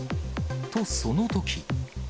と、そのとき。